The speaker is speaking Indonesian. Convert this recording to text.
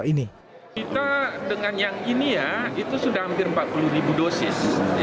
kita dengan yang ini ya itu sudah hampir empat puluh ribu dosis